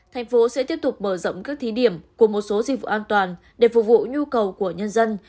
thành phố sẽ tiếp tục mở rộng các thí điểm của một số dịch vụ an toàn để phục vụ nhu cầu của nhân dân